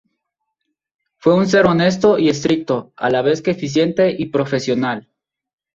Fue un ser honesto y estricto, a la vez que eficiente y profesional.